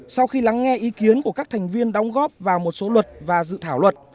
sau khi lắng nghe ý kiến của các thành viên đóng góp vào một số luật và dự thảo luật